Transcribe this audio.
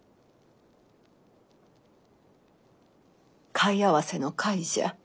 貝合わせの貝じゃ。